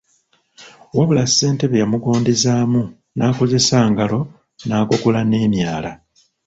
Wabula ssentebe yamugondezzaamu n’akozesa ngalo n’agogola n’emyala.